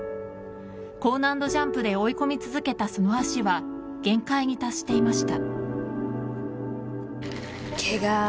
高難度ジャンプで追い込み続けたその足は限界に達していました。